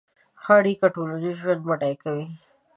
ښه اړیکې ټولنیز ژوند بډای کوي.